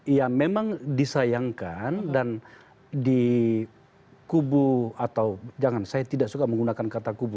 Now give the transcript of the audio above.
ya memang disayangkan dan di kubu atau jangan saya tidak suka menggunakan kata kubu